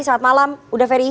selamat malam udaferi